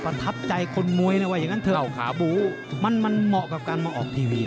ประทับใจคนมวยนะว่าอย่างนั้นเถอะขาบูมันมันเหมาะกับการมาออกทีวี